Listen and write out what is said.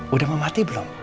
udah mematih belum